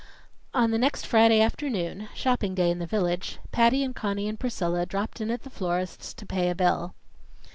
On the next Friday afternoon shopping day in the village Patty and Conny and Priscilla dropped in at the florist's to pay a bill.